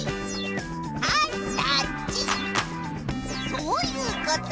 そういうこと！